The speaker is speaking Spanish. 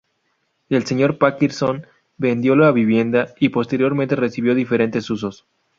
El Señor Parkinson vendió la vivienda y posteriormente recibió diferentes usos.